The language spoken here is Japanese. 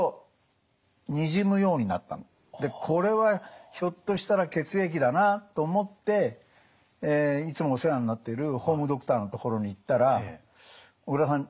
でこれはひょっとしたら血液だなと思っていつもお世話になってるホームドクターのところに行ったら「小倉さん